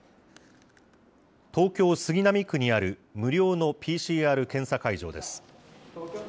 東京・杉並区にある無料のＰＣＲ検査会場です。